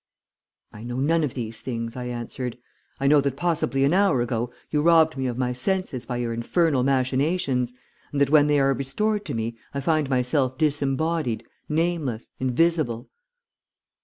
"'I know none of these things,' I answered. 'I know that possibly an hour ago you robbed me of my senses by your infernal machinations, and that when they are restored to me I find myself disembodied, nameless, invisible.'